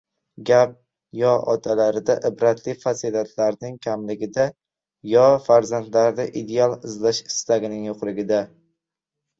gap yo otalarda ibratli fazilatlarning kamligida, yo farzandlarda ideal izlash istagining yo‘qligida.